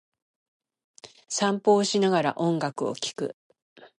散歩をしながら、音楽を聴く。